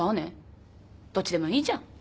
どっちでもいいじゃん。